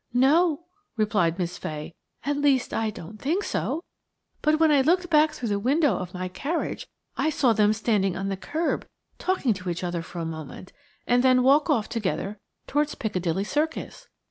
"No," replied Miss Fay; "at least, I didn't think so, but when I looked back through the window of my carriage I saw them standing on the kerb talking to each other for a moment, and then walk off together towards Piccadilly Circus.